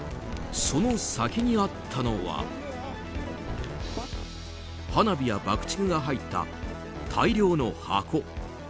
その先にあったのは花火や爆竹が入った大量の箱。